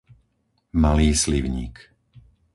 Malý Slivník